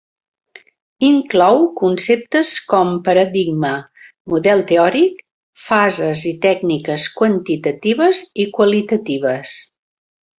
Inclou conceptes com paradigma, model teòric, fases i tècniques quantitatives i qualitatives.